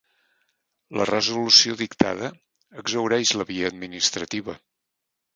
La resolució dictada exhaureix la via administrativa.